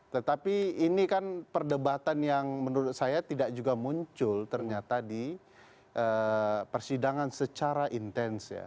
tetapi ini kan perdebatan yang menurut saya tidak juga muncul ternyata di persidangan secara intens ya